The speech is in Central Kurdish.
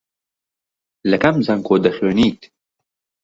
لە کام زانکۆ دەخوێنیت؟